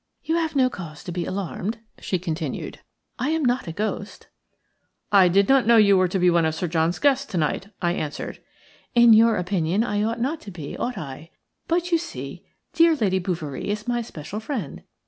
"You have no cause to be alarmed," she continued, "I am not a ghost." "I did not know you were to be one of Sir John's guest's to night," I answered. "In your opinion I ought not to be, ought I? But, you see, dear Lady Bouverie is my special friend.